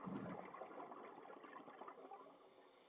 এ ধরনের কাজ কোন পাগলে করে?